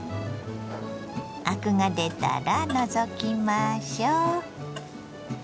アクが出たら除きましょ。